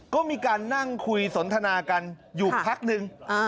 ก็มีการนั่งคุยสนทนากันอยู่พักนึง